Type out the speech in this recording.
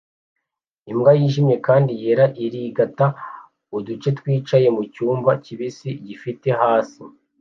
Imbwa yijimye kandi yera irigata uduce twicaye mucyumba kibisi gifite hasi